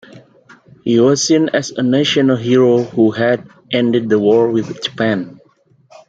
He was seen as a national hero who had ended the war with Japan.